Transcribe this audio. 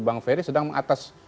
bang ferry sedang mengatas